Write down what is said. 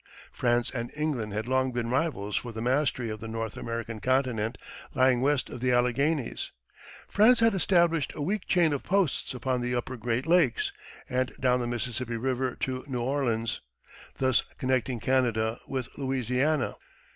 France and England had long been rivals for the mastery of the North American continent lying west of the Alleghanies. France had established a weak chain of posts upon the upper Great Lakes, and down the Mississippi River to New Orleans, thus connecting Canada with Louisiana.